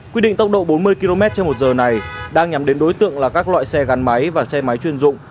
quy định tốc độ bốn mươi km trên một giờ này đang nhắm đến đối tượng là các loại xe gắn máy và xe máy chuyên dụng